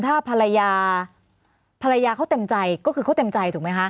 ถ้าภรรยาภรรยาเขาเต็มใจก็คือเขาเต็มใจถูกไหมคะ